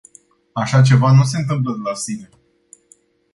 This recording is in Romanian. Așa ceva nu se întâmplă de la sine.